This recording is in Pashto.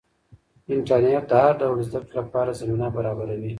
انټرنیټ د هر ډول زده کړې لپاره زمینه برابروي.